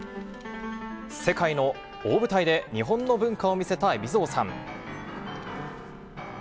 世界の大舞台で日本の文化を見せた海老蔵さん。